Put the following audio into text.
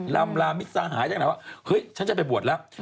ลำลามิสาหายจากนั้นว่าเฮ้ยฉันจะไปบวชแล้ว